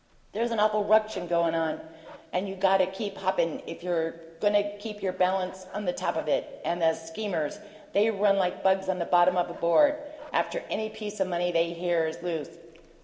There's an awful ruction goin' on, and you got to keep hoppin' if you're goin' to keep your balance on the top of it. And the schemers! They run like bugs on the bottom of a board after any piece o' money they hear is loose.